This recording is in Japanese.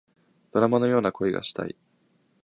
ドラマのような恋がしたい